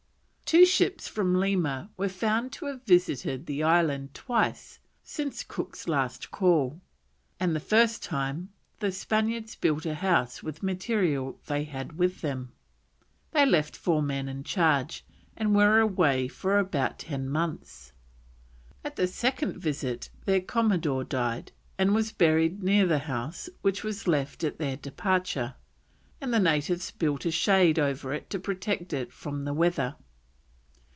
Two ships from Lima were found to have visited the island twice since Cook's last call, and the first time the Spaniards built a house with material they had with them. They left four men in charge, and were away for about ten months. At the second visit their Commodore died, and was buried near the house which was left at their departure, and the natives built a shade over it to protect it from the weather.